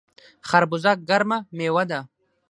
خربوزه ګرمه میوه ده